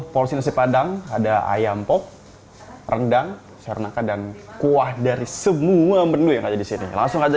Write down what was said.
polsi nasi padang ada ayam pop rendang serna kadang kuah dari semua menu yang ada di sini langsung aja